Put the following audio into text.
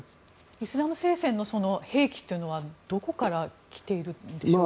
イスラム聖戦の兵器というのはどこから来ているんでしょうか。